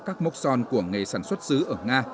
các mốc son của nghề sản xuất xứ ở nga